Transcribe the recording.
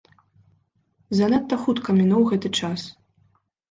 Занадта хутка мінуў гэты час.